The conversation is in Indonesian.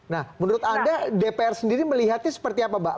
nah menurut anda dpr sendiri melihatnya seperti apa mbak